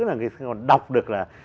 người đọc được là